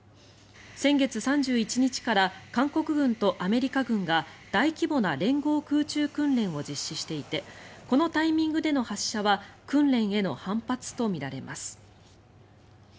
先月３１日から韓国軍とアメリカ軍が大規模な連合空中訓練を実施していてこのタイミングでの発射は訓練への反発とみられます。